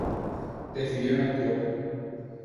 Decidieron actuar.